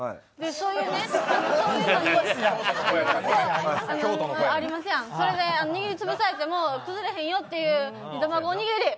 そういうね、それで、握りつぶされて崩れへんよっていう煮卵おにぎり。